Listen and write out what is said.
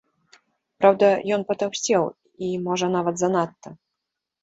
Праўда, ён патаўсцеў, і, можа, нават занадта.